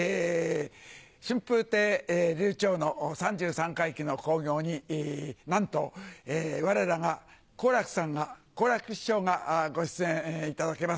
春風亭柳朝の三十三回忌の興行になんとわれらが好楽さんが好楽師匠がご出演いただけます。